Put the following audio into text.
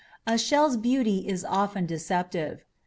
A shell's beauty is often deceptive.